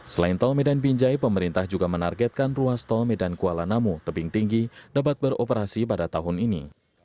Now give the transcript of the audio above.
selain tol medan binjai pemerintah juga menargetkan ruas tol medan kuala namu tebing tinggi dapat beroperasi pada tahun ini